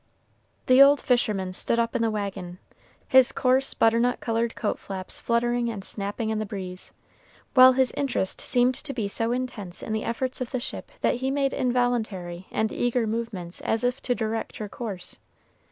The old fisherman stood up in the wagon, his coarse, butternut colored coat flaps fluttering and snapping in the breeze, while his interest seemed to be so intense in the efforts of the ship that he made involuntary and eager movements as if to direct her course.